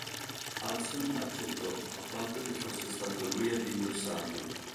Hudson accettò, a patto che fosse stato lui ad indossarla.